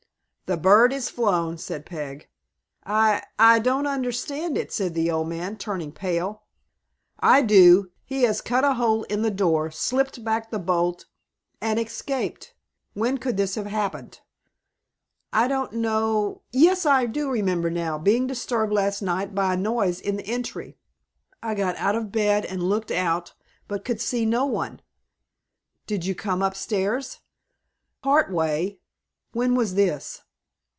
"The bird is flown," said Peg. "I I don't understand it," said the old man, turning pale. "I do. He has cut a hole in the door, slipped back the bolt, and escaped. When could this have happened?" "I don't know. Yes, I do remember, now, being disturbed last night by a noise in the entry. I got out of bed, and looked out, but could see no one." "Did you come up stairs?" "Part way." "When was this?"